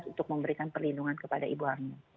untuk memberikan perlindungan kepada ibu ani